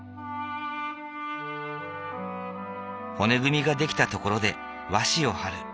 骨組みが出来たところで和紙をはる。